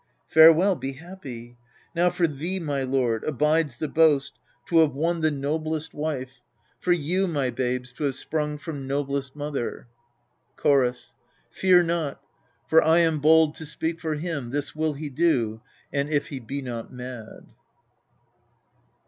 Farewell, be happy. Now for thee, my lord, Abides the boast to have won the noblest wife, 210 EURIPIDES For you, my babes, to have sprung from noblest mother. Chorus. Fear not ; for I am bold to speak for him This will he do, an if he be not mad.